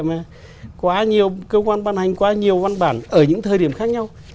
mà quá nhiều cơ quan ban hành quá nhiều văn bản ở những thời điểm khác nhau